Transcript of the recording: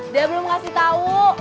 dia belum ngasih tau